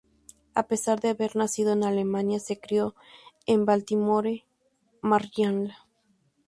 A pesar de haber nacido en Alemania, se crió en Baltimore, Maryland.